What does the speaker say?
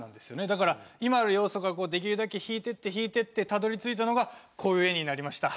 だから今の要素からできるだけ引いてって引いてってたどりついたのがこういう絵になりました。